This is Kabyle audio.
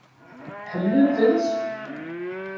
Ḥemmlen-tent?